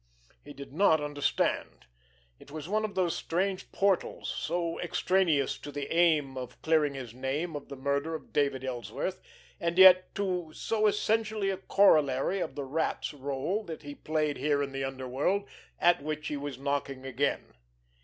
He did not understand. It was one of those strange portals, so extraneous to the aim of clearing his name of the murder of David Ellsworth, and yet, too, so essentially a corollary of the Rat's rôle that he played here in the underworld, at which he was knocking again.